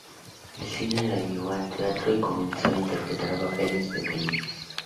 El cine la llevó al teatro y comenzó a interpretar papeles pequeños.